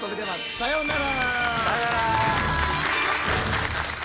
さようなら。